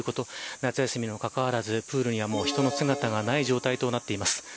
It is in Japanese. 夏休みにもかかわらずプールには人の姿がない状態です。